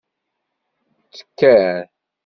Ttekkan.